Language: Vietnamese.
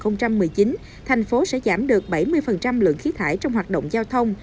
năm hai nghìn một mươi chín thành phố sẽ giảm được bảy mươi lượng khí thải trong hoạt động giao thông